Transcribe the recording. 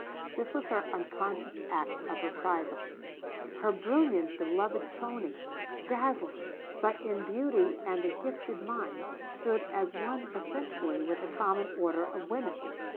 This was her unconscious act of reprisal. Her brilliant beloved Tony, dazzling but in beauty and the gifted mind, stood as one essentially with the common order of women.